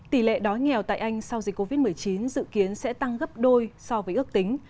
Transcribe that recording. tỷ lệ đói nghèo tại anh sau dịch covid một mươi chín dự kiến sẽ tăng gấp đôi so với ước tính